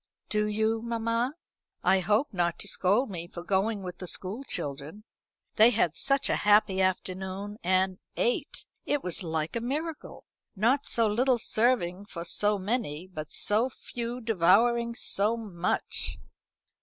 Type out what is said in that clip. "Do you, mamma? I hope not to scold me for going with the school children. They had such a happy afternoon; and ate! it was like a miracle. Not so little serving for so many, but so few devouring so much."